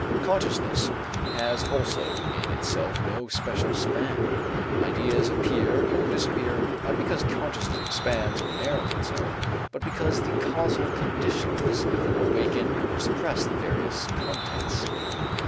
Consciousness has also in itself no special span, ideas appear or disappear not because consciousness expands or narrows itself but because the causal conditions awaken or suppress the various contents.